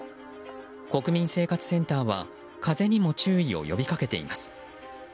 国民生活センターは風にも注意を呼びかけています。